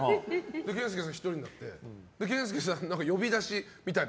健介さん、１人になって健介さん、呼び出しみたいな。